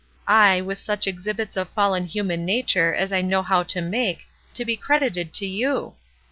I, with such exhibits of fallen human nature as I know how to make, to be credited to you